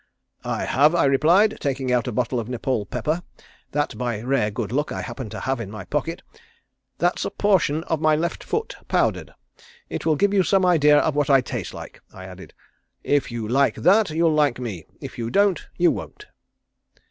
'I have,' I replied, taking out a bottle of Nepaul pepper, that by rare good luck I happened to have in my pocket. 'That is a portion of my left foot powdered. It will give you some idea of what I taste like,' I added. 'If you like that, you'll like me. If you don't, you won't.'"